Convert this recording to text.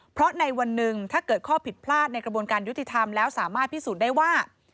เพราะในวันหนึ่งถ้าเกิดข้อผิดพลาดในกระบวนการยุติธรรมแล้วสามารถพิสูจน์ได้ว่า